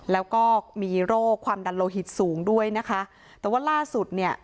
แล้วก็มีโรคความดันโลหิตสูงด้วยนะคะแต่ว่าล่าสุดเนี่ย